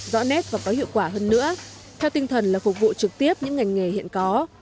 rõ nét và có hiệu quả hơn nữa theo tinh thần là phục vụ trực tiếp những ngành nghề hiện có